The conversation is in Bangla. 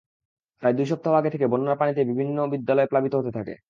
প্রায় দুই সপ্তাহ আগে থেকে বন্যার পানিতে বিভিন্ন বিদ্যালয় প্লাবিত হতে থাকে।